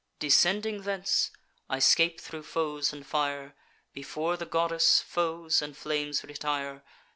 "Descending thence, I scape thro' foes and fire: Before the goddess, foes and flames retire.